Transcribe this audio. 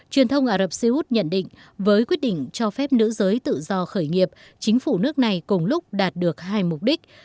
truyền thông ả rập xê út nhận định với quyết định cho phép nữ giới tự do khởi nghiệp chính phủ nước này cùng lúc đạt được hai mục đích